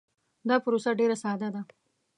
دا پروسه ډیر ساده ده.